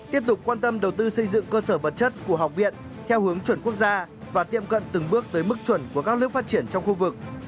tiếp tục quan tâm đầu tư xây dựng cơ sở vật chất của học viện theo hướng chuẩn quốc gia và tiệm cận từng bước tới mức chuẩn của các nước phát triển trong khu vực